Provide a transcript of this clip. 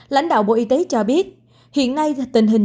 lãnh đạo bộ y tế cho biết hiện nay tình hình